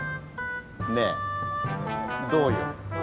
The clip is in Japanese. ねえどうよ。